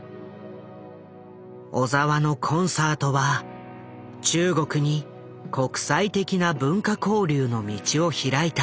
小澤のコンサートは中国に国際的な文化交流の道を開いた。